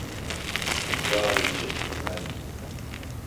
ეჯაი̄ ეჩეჩუ ა̈რი.